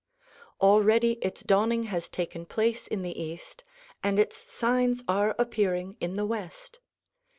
Already its dawning has taken place in the east and its signs are appearing in the west.